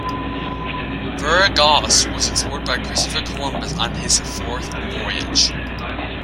Veraguas was explored by Christopher Columbus on his fourth voyage.